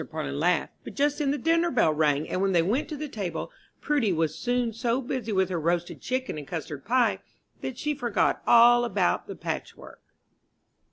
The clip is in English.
Parlin laughed; but just then the dinner bell rang, and when they went to the table, Prudy was soon so busy with her roasted chicken and custard pie that she forgot all about the patchwork.